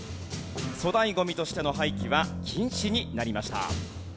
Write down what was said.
粗大ゴミとしての廃棄は禁止になりました。